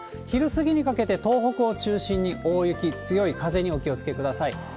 昼過ぎにかけて東北を中心に大雪、強い風にお気をつけください。